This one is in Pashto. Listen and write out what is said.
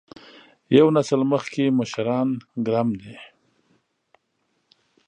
یو نسل مخکې مشران ګرم دي.